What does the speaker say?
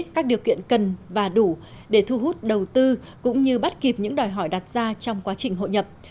các điều kiện cần và đủ để thu hút đầu tư cũng như bắt kịp những đòi hỏi đặt ra trong quá trình hội nhập